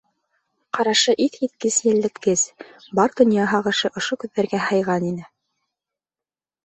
Ҡарашы иҫ киткес йәлләткес, бар донъя һағышы ошо күҙҙәргә һыйған ине.